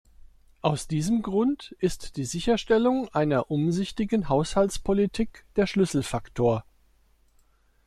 Aus diesem Grund ist die Sicherstellung einer umsichtigen Haushaltspolitik der Schlüsselfaktor.